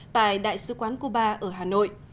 tại đại sứ quán cuba ở hà nội